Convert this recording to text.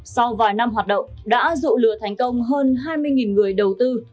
sau vài năm hoạt động đã dụ lừa thành công hơn hai mươi người đầu tư